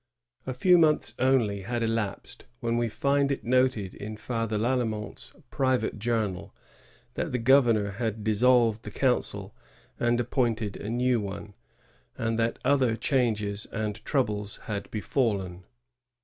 A few months only had elapsed when we find it noted in Father Lalemant's private journal that the governor had dissolved the council and appointed a new one, and that other "changes and troubles" had befallen.